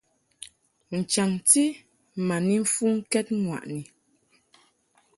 N-chaŋti ma ni mfuŋkɛd ŋwaʼni.